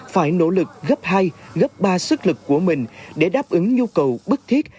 phải nỗ lực gấp hai gấp ba sức lực của mình để đáp ứng nhu cầu bức thiết